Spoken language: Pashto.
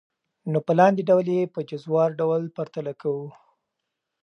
نو په لاندي ډول ئي په جزوار ډول پرتله كوو .